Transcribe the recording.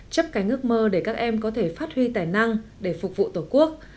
chấp cánh ước mơ để các em có thể phát huy tài năng để phục vụ tổ quốc